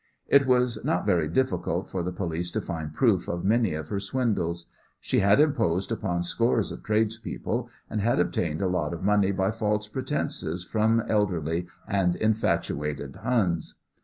It was not very difficult for the police to find proof of many of her swindles. She had imposed upon scores of tradespeople, and had obtained a lot of money by false pretences from elderly and infatuated Huns.